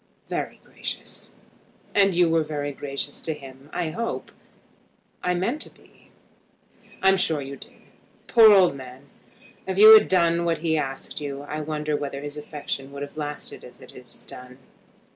"Very gracious." "And you were gracious to him, I hope." "I meant to be." "I'm sure you did. Poor old man! If you had done what he asked you I wonder whether his affection would have lasted as it has done."